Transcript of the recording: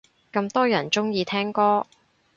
咁多人鍾意聽歌